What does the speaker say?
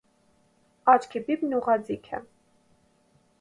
Աչքի բիբն ուղղաձիգ է։